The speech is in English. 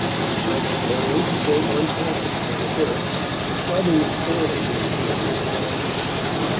I make bold to quote one passage from the first, describing the storm he encountered in crossing.